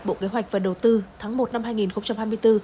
bộ kế hoạch và đầu tư tháng một năm hai nghìn hai mươi bốn